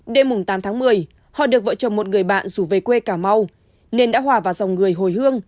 đêm tám một mươi họ được vợ chồng một người bạn rủ về quê cảm âu nên đã hòa vào dòng người hồi hương